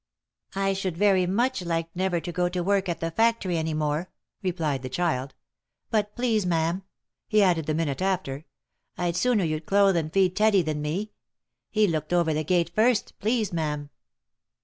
" I should very much like never to go to work at the factory any more," replied the child ;" but, please ma'am," he added the minute after, " I'd sooner you'd clothe and feed Teddy than me. He looked over the gate first, please ma'am."